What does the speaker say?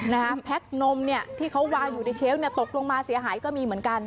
แพ็คนมเนี่ยที่เขาวางอยู่ในเชฟเนี่ยตกลงมาเสียหายก็มีเหมือนกัน